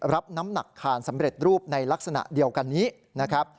รับน้ำหนักคานสำเร็จรูปในลักษณะเดียวกันนี้นะครับ